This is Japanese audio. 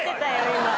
今。